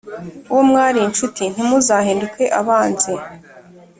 uwo mwari incuti, ntimuzahinduke abanzi